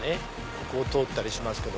ここを通ったりしますけど。